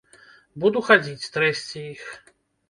Буду хадзіць, трэсці іх.